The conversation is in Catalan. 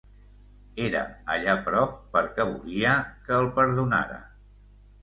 Era allà prop perquè volia que el perdonara.